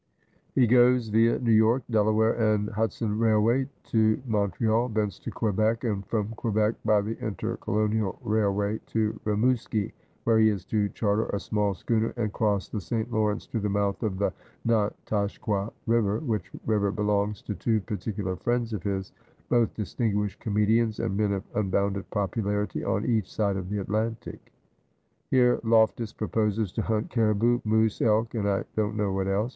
He goes via New York, Delaware and Hudson Railway to Montreal, thence to Quebec, and from Quebec by the Intercolonial Rail way to Rimouski, where he is to charter a small schooner and cross the St. Lawrence to the mouth of the Natashquau River, which river belongs to two particular friends of his, both dis tinguished comedians, and men of unbounded popularity on each side of the Atlantic. Here Loftus proposes to hunt cariboo, moose, elk, and I don't know what else.